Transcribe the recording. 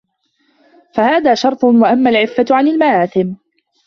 فَهَذَا شَرْطٌ وَأَمَّا الْعِفَّةُ عَنْ الْمَآثِمِ